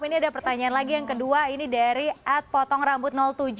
ini ada pertanyaan lagi yang kedua ini dari atpotongrambut tujuh